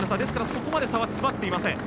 そこまで差は詰まっていません。